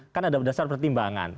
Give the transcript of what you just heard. kan ada dasar pertimbangan